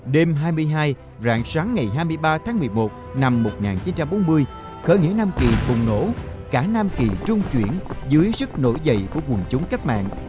đêm hai mươi hai rạng sáng ngày hai mươi ba tháng một mươi một năm một nghìn chín trăm bốn mươi khởi nghĩa nam kỳ bùng nổ cả nam kỳ trung chuyển dưới sức nổi dậy của quần chúng cách mạng